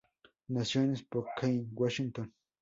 Nació en Spokane, Washington.